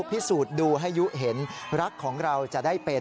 พิสูจน์ดูให้ยุเห็นรักของเราจะได้เป็น